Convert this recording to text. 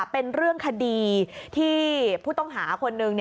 เป็นเรื่องคดีที่ผู้ต้องหาคนหนึ่ง